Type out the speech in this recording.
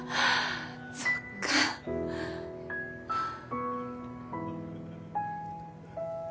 そっかはぁ。